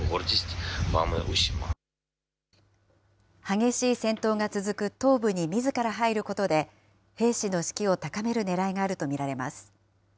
激しい戦闘が続く東部にみずから入ることで、兵士の士気を高めるねらいがあると見られます。